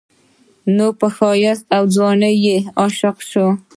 نو پۀ ښايست او ځوانۍ يې عاشقه شوه